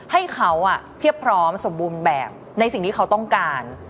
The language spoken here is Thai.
ให้เขาเพียบพร้อมสมบูรณ์แบบในสิ่งที่เขาต้องการ